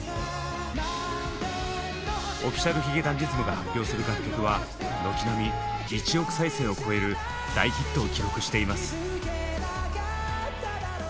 Ｏｆｆｉｃｉａｌ髭男ｄｉｓｍが発表する楽曲は軒並み１億再生を超える大ヒットを記録しています。